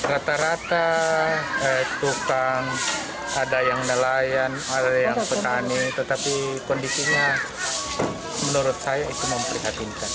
rata rata tukang ada yang nelayan ada yang petani tetapi kondisinya menurut saya itu memprihatinkan